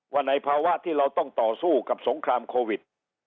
ในภาวะที่เราต้องต่อสู้กับสงครามโควิด